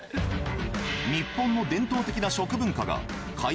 日本の伝統的な食文化が買い